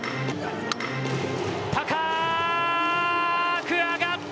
高く上がった！